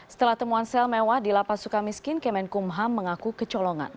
setelah temuan sel mewah di lapas sukamiskin kemenkum ham mengaku kecolongan